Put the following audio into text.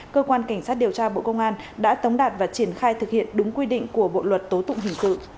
cơ quan cảnh sát điều tra bộ công an đã tống đạt và triển khai thực hiện đúng quy định của bộ luật tố tụng hình sự